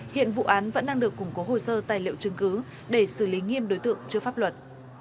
hiện vụ án vẫn đang được củng cố hồ sơ tài liệu chứng cứ để xử lý nghiêm đối tượng trước pháp luật